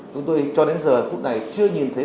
chúng tôi cho đến giờ phút này chưa nhìn thấy